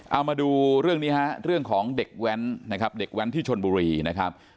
เอามาดูเรื่องนี้ฮะเรื่องของเด็กแว้นนะครับเด็กแว้นที่ชนบุรีนะครับ